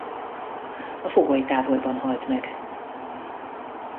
A fogolytáborban halt meg.